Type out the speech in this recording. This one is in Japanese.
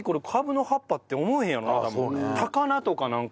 高菜とかなんか。